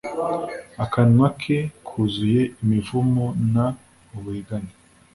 Akanwa ke kuzuye imivumo n uburiganya